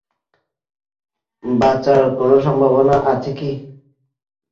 বাঁচার কোন সম্ভাবনা, আছে কী?